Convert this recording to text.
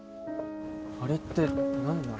あれって何なの？